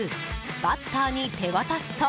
バッターに手渡すと。